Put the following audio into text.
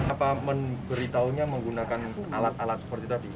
apa memberitahunya menggunakan alat alat seperti tadi